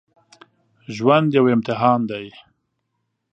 ژوند یو امتحان دی